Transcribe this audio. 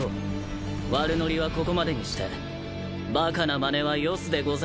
悪乗りはここまでにしてバカなまねはよすでござるよ。